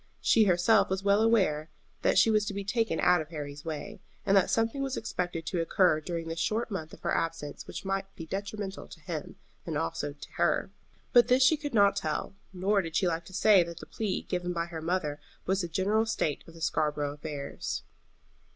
She herself was well aware that she was to be taken out of Harry's way, and that something was expected to occur during this short month of her absence which might be detrimental to him, and to her also. But this she could not tell, nor did she like to say that the plea given by her mother was the general state of the Scarborough affairs.